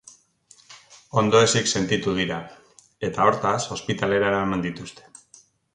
Ondoezik sentitu dira eta, hortaz, ospitalera eraman dituzte.